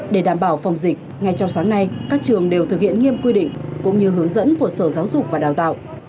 để đảm bảo phòng dịch ngay trong sáng nay các trường đều thực hiện nghiêm quy định cũng như hướng dẫn của sở giáo dục và đào tạo